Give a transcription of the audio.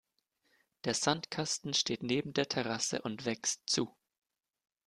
Der Sandkasten steht neben der Terrasse und wächst zu.